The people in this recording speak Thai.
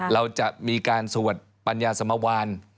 เราจะมีการสวดปัญญาสมวาน